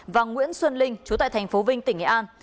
và nguyễn xuân linh trú tại tp vinh tỉnh nghệ an